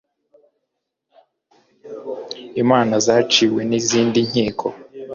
imanza zaciwe n izindi nkiko